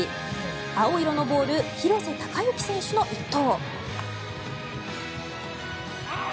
青色のボール廣瀬隆喜選手の１投。